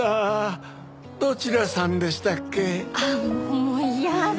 もう嫌だ。